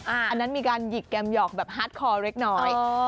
อันนั้นมีการหยิกแกมหยอกแบบฮาร์ดคอเล็กน้อย